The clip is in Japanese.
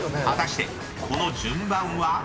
［果たしてこの順番は？］